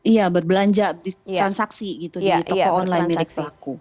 iya berbelanja transaksi gitu di toko online milik selaku